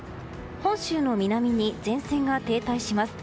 本州の南に前線が停滞します。